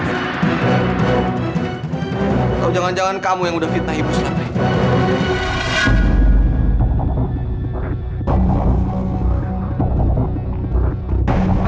atau jangan jangan kamu yang udah fitnah ibu surabaya